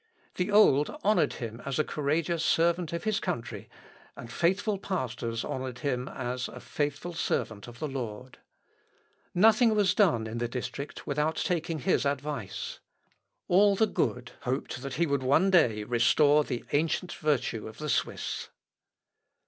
The old honoured him as a courageous servant of his country, and faithful pastors honoured him as a faithful servant of the Lord. Nothing was done in the district without taking his advice. All the good hopeΑγαμονd that he would one day restore the ancient virtue of the Swiss.